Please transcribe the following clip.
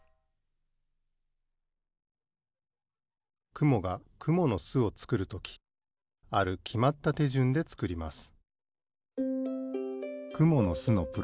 くもがくものすをつくるときあるきまったてじゅんでつくります